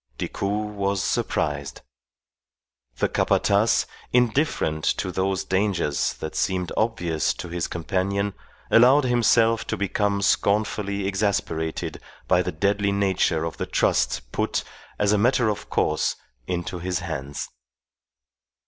Decoud was surprised. The Capataz, indifferent to those dangers that seemed obvious to his companion, allowed himself to become scornfully exasperated by the deadly nature of the trust put, as a matter of course, into his hands.